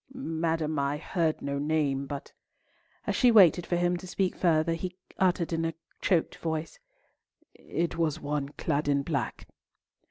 "Madam, I heard no name, but"—as she waited for him to speak further, he uttered in a choked voice—"it was one clad in black."